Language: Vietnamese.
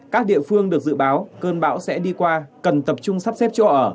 các địa phương được dự báo cơn bão sẽ đi qua cần tập trung sắp xếp chỗ ở